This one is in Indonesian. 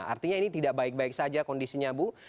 artinya ini tidak baik baik saja kondisinya bu